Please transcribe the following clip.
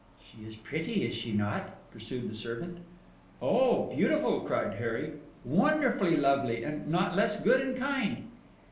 "She is pretty, is she not?" pursued the servant. "Oh, beautiful!" cried Harry; "wonderfully lovely, and not less good and kind!"